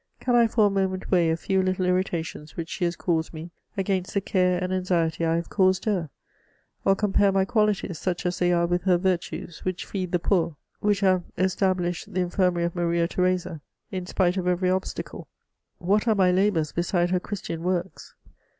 Can I for a moment weigh a few little irritations which she has caused me against the care and anxiety i have caused her ? or compare my qualities, such as they are, with her virtues, which feed the poor, which have established the Infirmary of Maria Theresa, in spit« of every obstacle? What are my labours beside her Christian works